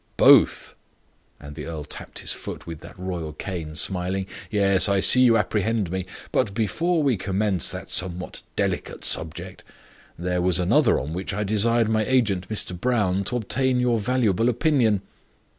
"Both." And the earl tapped his boot with that royal cane, smiling. "Yes; I see you apprehend me. But, before we commence that somewhat delicate subject, there was another on which I desired my agent, Mr. Brown, to obtain your valuable opinion."